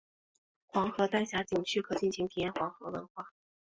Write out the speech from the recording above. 黄河丹霞景区可尽情体验黄河文化。